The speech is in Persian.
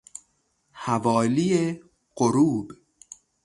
حوالی غروب